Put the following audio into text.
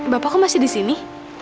bapak kok masih di sini